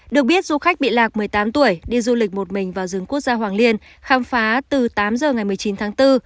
được biết du khách bị lạc một mươi tám tuổi đi du lịch một mình vào rừng quốc gia hoàng liên khám phá từ tám giờ ngày một mươi chín tháng bốn